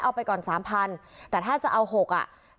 เอาไปก่อน๓๐๐๐บาทแต่ถ้าจะเอา๖บาท